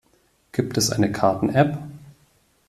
Gibt es eine Karten-App?